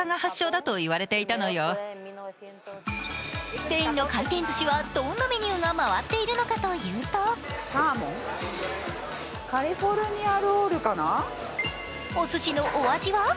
スペインの回転ずしはどんなメニューが回っているのかというとおすしのお味は？